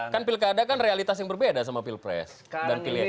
kan pilkada kan realitas yang berbeda sama pilpres dan pileg